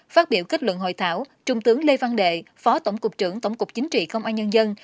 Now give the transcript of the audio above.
phát biểu kết luận hội thảo trung tướng lê văn đệ phó tổng cục trưởng tổng cục chính trị công an nhân dân